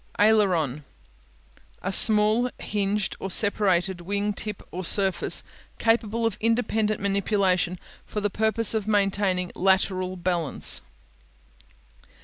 Aileron (a'ler on) A small hinged or separated wing tip or surface capable of independent manipulation for the purpose of maintaining lateral balance.